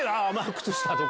「靴下」とか。